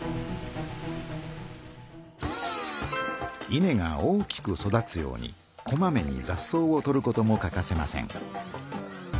稲が大きく育つようにこまめにざっ草を取ることも欠かせません。